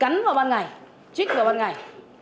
cắn vào ban ngày trích vào ban ngày